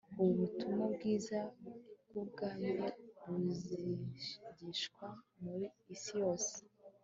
ubu butumwa bwiza bw'ubwami buzigishwa mu isi yose